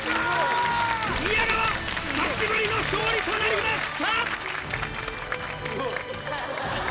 宮川久しぶりの勝利となりました！